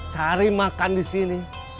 cari makan di sini